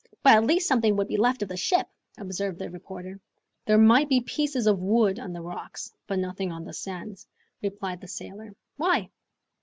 "But at least something would be left of the ship," observed the reporter. "There might be pieces of wood on the rocks, but nothing on the sands," replied the sailor. "Why?"